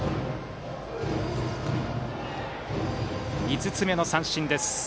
５つ目の三振です。